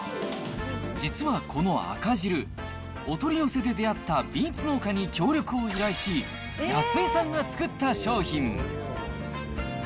実はこの赤汁、お取り寄せで出会ったビーツ農家に協力を依頼し、安井さんが作った商品。